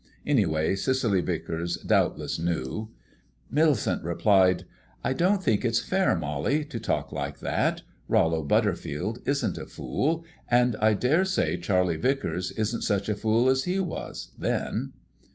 Anyway, Cicely Vicars doubtless knew. Millicent replied: "I don't think it's fair, Mollie, to talk like that. Rollo Butterfield isn't a fool; and I daresay Charlie Vicars isn't such a fool as he was then."